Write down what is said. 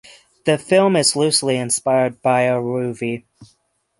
The film is loosely inspired by "Aruvi".